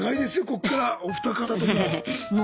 こっからお二方とも。